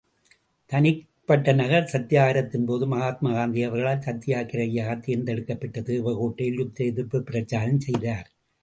தனிப்பட்ட நபர் சத்யாக்கிரகத்தின்போது மகாத்மா காந்தி அவர்களால் சத்யாக்கிரகியாகத் தேர்ந்தெடுக்கப்பெற்று தேவகோட்டையில் யுத்த எதிர்ப்புப் பிரசாரம் செய்தார்.